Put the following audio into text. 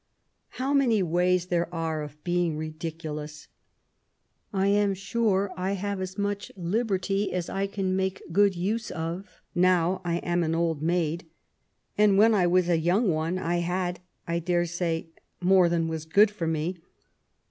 How many ways there are of being ridicnloxis I I am snre I haye as much liberty as I can make a good use of, now I am an old maid ; and when I was a young one I had, I dare say, more than was good for me.